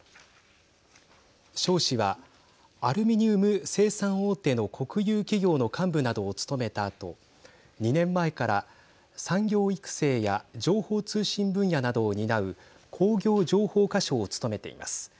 肖氏はアルミニウム生産大手の国有企業の幹部などを務めたあと２年前から産業育成や情報通信分野などを担う工業情報化相を務めています。